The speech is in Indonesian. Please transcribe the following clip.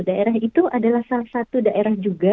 daerah itu adalah salah satu daerah juga